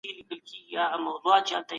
مهارت د پانګي په لاسته راوړلو کي مرسته کوله.